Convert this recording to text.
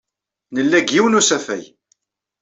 Nella deg yiwen n usafag.